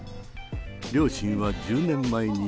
両親は１０年前に離婚。